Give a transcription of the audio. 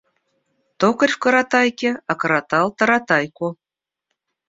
Токарь в коротайке окоротал таратайку.